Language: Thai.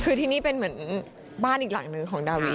คือที่นี่เป็นเหมือนบ้านอีกหลังนึงของดาวิ